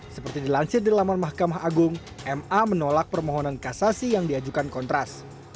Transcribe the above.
seperti dilansir di laman mahkamah agung ma menolak permohonan kasasi yang diajukan kontras